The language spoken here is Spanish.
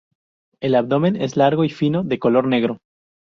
El abdomen es largo y fino, de color negro.